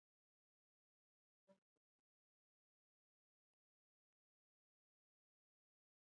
Serangoon Road is the main commercial thoroughfare in Little India.